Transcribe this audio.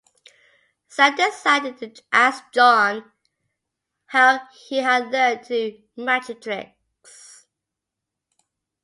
Sam decided to ask John how he had learned to do magic tricks.